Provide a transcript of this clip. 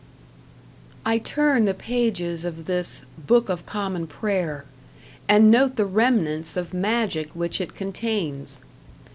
I turn the pages of this "Book of Common Prayer", and note the remnants of magic which it contains.